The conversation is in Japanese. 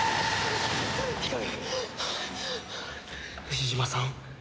牛島さん